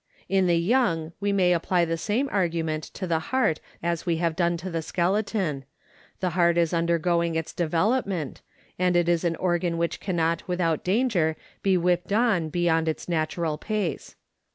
In the young we may apply the same argument to the heart as we have done to the skeleton ; the heart is undergoing its development, and it is an organ which cannot without danger be whipped on beyond its natural pace.